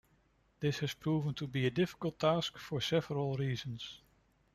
This has proven to be a difficult task for several reasons.